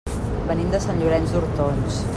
Venim de Sant Llorenç d'Hortons.